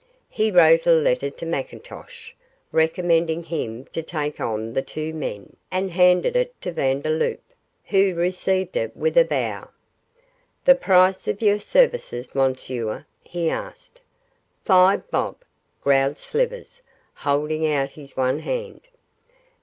He wrote a letter to McIntosh, recommending him to take on the two men, and handed it to Vandeloup, who received it with a bow. 'The price of your services, Monsieur?' he asked. 'Five bob,' growled Slivers, holding out his one hand.